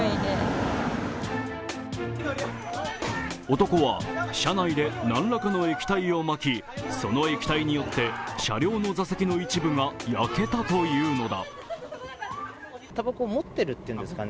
男は、車内で何らかの液体をまきその液体によって車両の座席の一部が焼けたというのだ。